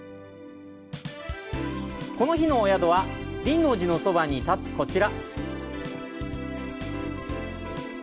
この日のお宿は、輪王寺のそばに建つこちら。